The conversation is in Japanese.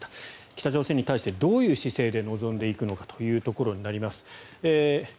北朝鮮に対して、どういう姿勢で臨んでいくのかとなります。